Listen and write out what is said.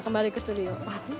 kembali ke studio